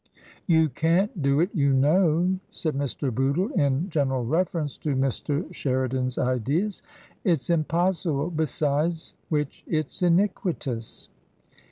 " You can't do it, you know," said Mr. Bootle, in gen eral reference to Mr. Sheridan's ideas ;" it's impossible. Besides which it's iniquitous."